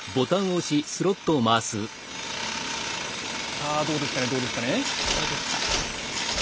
さあどうですかねどうですかね。